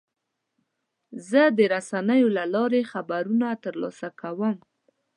زه د رسنیو له لارې خبرونه ترلاسه کوم.